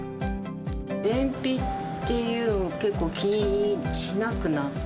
便秘っていうのを、結構気にしなくなった。